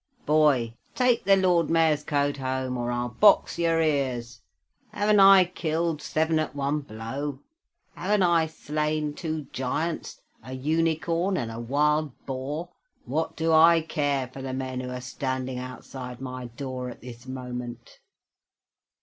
"Boy, take the Lord Mayor's coat home, or I'll box your ears. Haven't I killed seven at one blow? Haven't I slain two giants, a unicorn, and a wild boar? What do I care for the men who are standing outside my door at this moment?"